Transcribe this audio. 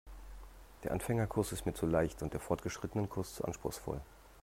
Der Anfängerkurs ist mir zu leicht und der Fortgeschrittenenkurs zu anspruchsvoll.